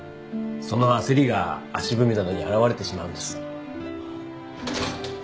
その焦りが足踏みなどに表れてしまうんです。